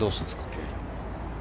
急に。